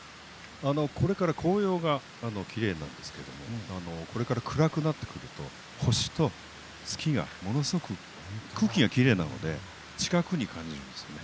これから紅葉がきれいなんですけどこれから暗くなってくると星と月がものすごく空気がきれいなので近くに感じるんですよね。